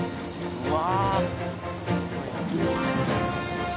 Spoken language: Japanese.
うわ。